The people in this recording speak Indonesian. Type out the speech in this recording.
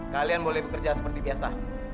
kalian boleh bekerja seperti biasa